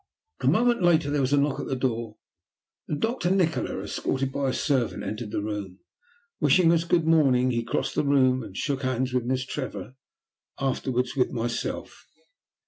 A moment later there was a knock at the door, and Doctor Nikola, escorted by a servant, entered the room. Wishing us "good morning," he crossed the room and shook hands with Miss Trevor, afterwards with myself.